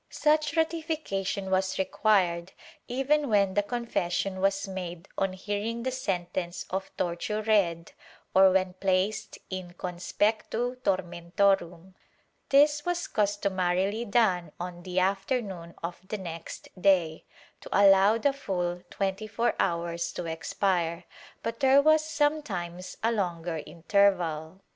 Such ratification was required even when the confession was made on hearing the sentence of torture read or when placed in conspectu tormentorum} This was customarily done on the afternoon of the next day, to allow the full twenty four hours to expire, but there was sometimes a longer interval.